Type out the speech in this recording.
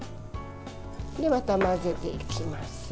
また混ぜていきます。